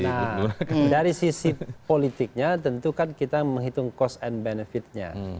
nah dari sisi politiknya tentu kan kita menghitung cost and benefitnya